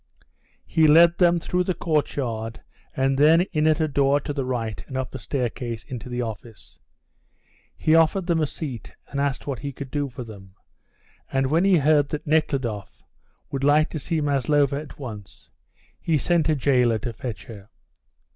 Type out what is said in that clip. He led them through the courtyard and then in at a door to the right and up a staircase into the office. He offered them a seat and asked what he could do for them, and when he heard that Nekhludoff would like to see Maslova at once, he sent a jailer to fetch her.